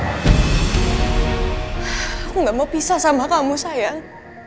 aku gak mau pisah sama kamu sayang